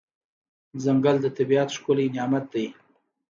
ځنګل د طبیعت ښکلی نعمت دی.